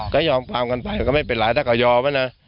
ก็ยอมความกันไปก็ไม่เป็นไรถ้าเขายอมแล้วนะ